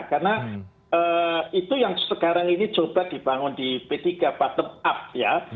karena itu yang sekarang ini coba dibangun di p tiga bottom up ya